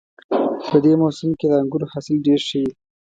په دې موسم کې د انګورو حاصل ډېر ښه وي